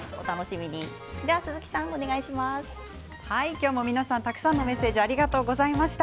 今日も皆さんからたくさんのメッセージありがとうございました。